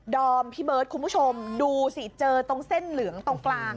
อมพี่เบิร์ดคุณผู้ชมดูสิเจอตรงเส้นเหลืองตรงกลาง